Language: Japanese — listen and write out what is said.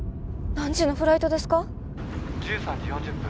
何時のフライトですか？